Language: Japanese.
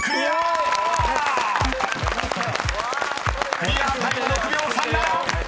［クリアタイム６秒３７］